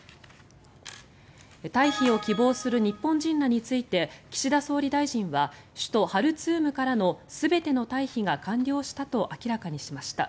退避を希望する日本人らについて岸田総理大臣は首都ハルツームからの全ての退避が完了したと明らかにしました。